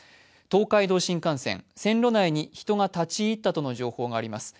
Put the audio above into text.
東海道新幹線、線路内に人が立ち入ったとの情報があります。